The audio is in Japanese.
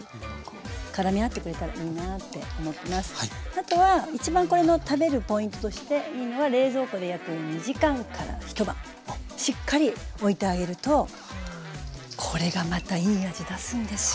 あとは一番これの食べるポイントとしていいのはしっかりおいてあげるとこれがまたいい味出すんですよ。